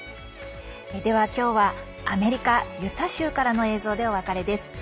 今日はアメリカ・ユタ州からの映像でお別れです。